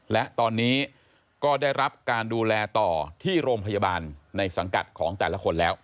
และตอนนี้ก็ได้รับการดูแลต่อที่โรงพยาบาลในสังกัดของแต่ละคนแล้ว